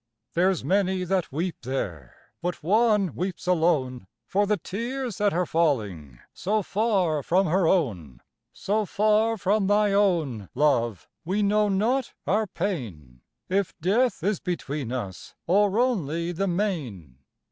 There's many that weep there, But one weeps alone, For the tears that are falling So far from her own; So far from thy own, love, We know not our pain; If death is between us, Or only the main.